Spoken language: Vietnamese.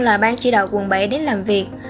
là ban chỉ đạo quận bảy đến làm việc